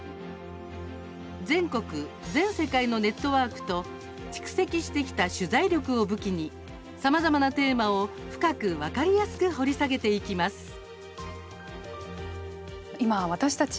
全国・全世界のネットワークと蓄積してきた取材力を武器にさまざまなテーマを深く分かりやすく掘り下げていきます。